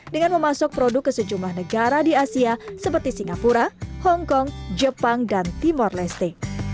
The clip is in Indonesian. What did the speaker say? dengan memasuk produk ke sejumlah negara di asia seperti singapura hongkong jepang dan timor leste